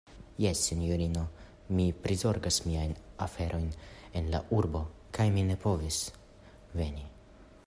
Jes, sinjorino, mi prizorgis miajn aferojn en la urbo kaj mi ne povis veni.